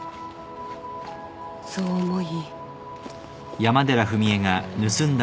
「そう思い」